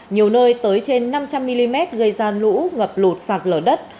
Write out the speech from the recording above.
nhiều nơi tới trên năm trăm linh mm gây ra lũ ngập lụt sạt lở đất